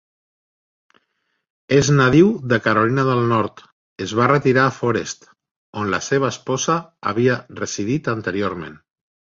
Es nadiu de Carolina del Nord, es va retirar a Forest, on la seva esposa havia residit anteriorment.